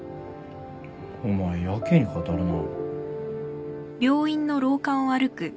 お前やけに語るな。